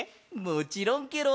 もちろんケロ！